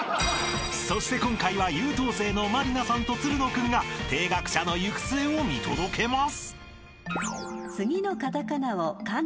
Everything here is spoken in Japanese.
［そして今回は優等生の満里奈さんとつるの君が停学者の行く末を見届けます］